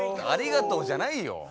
ありがとうじゃないよ。